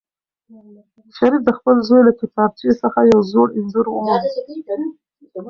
شریف د خپل زوی له کتابچې څخه یو زوړ انځور وموند.